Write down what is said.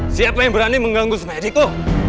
siapa yang berani mengganggu smedico